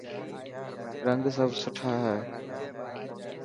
رنگ سڀ سٺا هي.